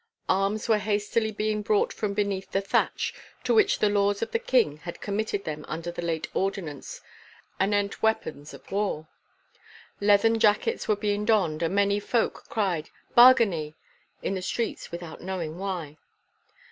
Arms were hastily being brought from beneath the thatch, to which the laws of the King had committed them under the late ordinance anent weapons of war. Leathern jackets were being donned, and many folk cried 'Bargany!' in the streets without knowing why.